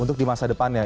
untuk masa depannya